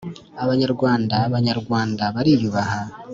abanyarwan abanyarwanda bariyubahaga,